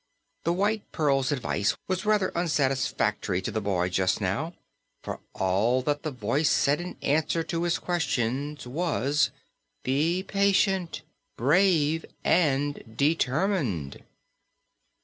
The White Pearl's advice was rather unsatisfactory to the boy, just now, for all that the Voice said in answer to his questions was: "Be patient, brave and determined."